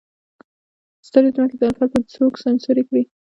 ستړې ځمکې د الفت به څوک سمسورې کړي.